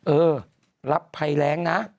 เออรับภัยแรงนะ